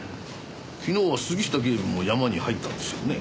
昨日は杉下警部も山に入ったんですよね？